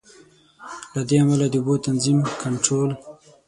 له دې امله د اوبو تنظیم، کنټرول.